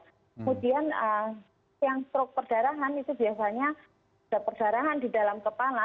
kemudian yang strok perdarahan itu biasanya sudah perdarahan di dalam kepala